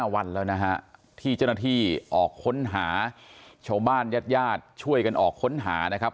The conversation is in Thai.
วันแล้วนะฮะที่เจ้าหน้าที่ออกค้นหาชาวบ้านญาติญาติช่วยกันออกค้นหานะครับ